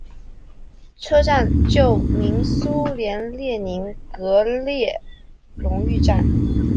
车站旧名苏联列宁格勒荣誉站。